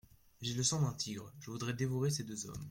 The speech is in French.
J'y ai le sang d'un tigre, je voudrais dévorer ces deux hommes.